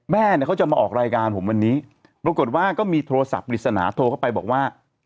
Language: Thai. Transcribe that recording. แม่เนี่ยเขาจะมาออกรายการผมวันนี้ปรากฏว่าก็มีโทรศัพท์ปริศนาโทรเข้าไปบอกว่า